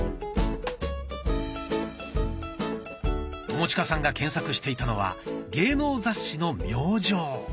友近さんが検索していたのは芸能雑誌の「明星」。